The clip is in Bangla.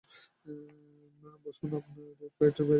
বসুন আপনার ফ্ল্যাটের বাইরে একজন পুলিশ অফিসার রেখেছেন।